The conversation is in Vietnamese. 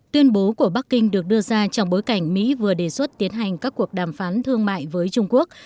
tuyên bố của bắc kinh được đưa ra trong bối cảnh mỹ vừa đề xuất tiến hành các cuộc đàm phán thương mại với trung quốc